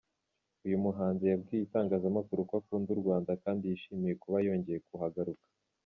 Uyu muhanzi yabwiye itangazamakuru ko akunda u Rwanda kandi yishimiye kuba yongeye kuhagaruka.